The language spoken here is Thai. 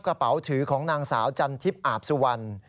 กระเป๋าถือของนางสาวจันทิพย์อาบสุวรรณ